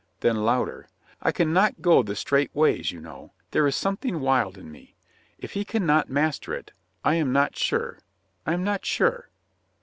Then louder: "I can not go the straight ways, you know. There is something wild in me. If he can not master it, I am not sure — I am not sure."